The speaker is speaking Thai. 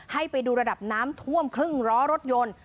ให้ไปดูระดับน้ำท่วมครึ่งล้อรถยนต์